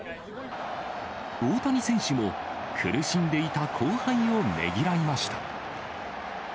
大谷選手も、苦しんでいた後輩をねぎらいました。